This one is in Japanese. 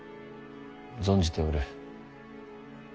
存じておる。